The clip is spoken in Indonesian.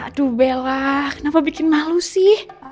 aduh bella kenapa bikin malu sih